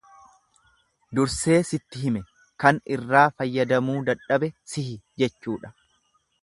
Dursee sitti hime kan irraa fayyadamuu dadhabe sihi jechuudha.